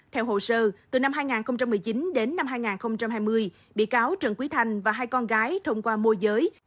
theo hồ sơ từ năm hai nghìn một mươi chín đến năm hai nghìn hai mươi bị cáo trần quý thanh và hai con gái thông qua mô giới